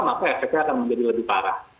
maka efeknya akan menjadi lebih parah